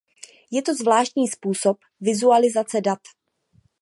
Je to zvláštní způsob vizualizace dat.